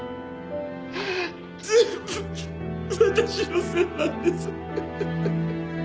全部私のせいなんです！